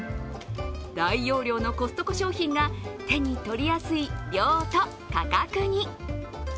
大容量のコストコ商品が手に取りやすい量と価格に。